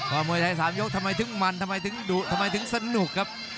มวยไทย๓ยกทำไมถึงมันทำไมถึงดุทำไมถึงสนุกครับ